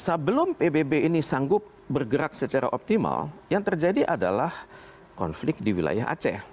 jadi sebelum pbb ini sanggup bergerak secara optimal yang terjadi adalah konflik di wilayah aceh